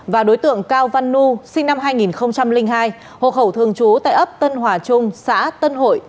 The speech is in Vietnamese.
và đối tượng cao văn nu sinh năm hai nghìn hai hộ khẩu thường trú tại ấp tân hòa trung xã tân hội